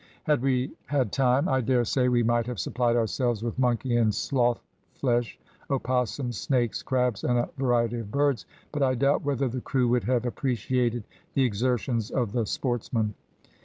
Had we had time, I dare say we might have supplied ourselves with monkey and sloth flesh, opossums, snakes, crabs, and a variety of birds, but I doubt whether the crew would have appreciated the exertions of the sportsman.